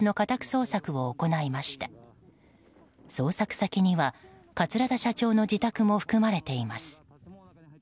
捜索先には桂田社長の自宅も含まれています。